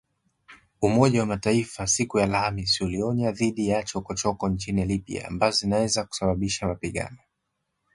Umoja wa Mataifa siku ya Alhamis ulionya dhidi ya “chokochoko” nchini Libya ambazo zinaweza kusababisha mapigano